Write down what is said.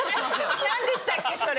なんでしたっけそれ？